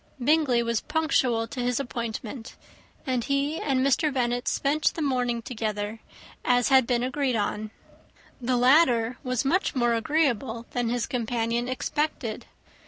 Bingley was punctual to his appointment; and he and Mr. Bennet spent the morning together, as had been agreed on. The latter was much more agreeable than his companion expected.